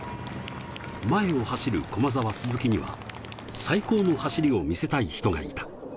前を走る駒澤・鈴木には、最高の走りを見せたい人がいた。